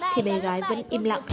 thì bé gái vẫn im lặng